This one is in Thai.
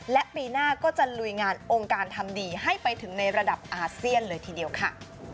และปีหน้าก็จะลุยงานองค์การทำดีให้ไปถึงในระดับอาเซียนเลยทีเดียวค่ะ